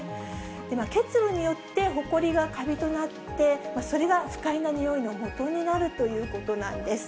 結露によってほこりがカビとなって、それが不快な臭いのもとになるということなんです。